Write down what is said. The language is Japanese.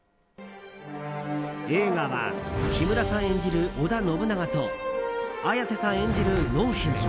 映画は木村さん演じる織田信長と綾瀬さん演じる濃姫。